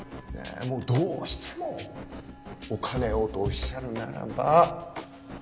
どうしてもお金をとおっしゃるならば。